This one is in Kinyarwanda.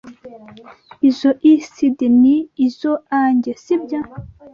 Izoi CD ni izoanjye, sibyo?